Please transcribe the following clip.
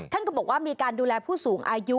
ท่านก็บอกว่ามีการดูแลผู้สูงอายุ